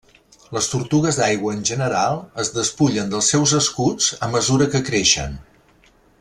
Les tortugues d'aigua en general es despullen dels seus escuts a mesura que creixen.